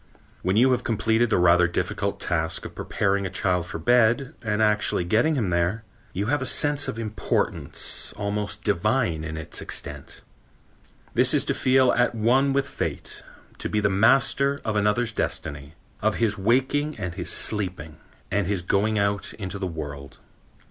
When you have completed the rather difficult task of preparing a child for bed and actually getting him there, you have a sense of importance almost divine in its extent. This is to feel at one with Fate, to be the master of another's destiny, of his waking and his sleeping and his going out into the world.